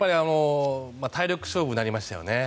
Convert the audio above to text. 体力勝負になりましたよね。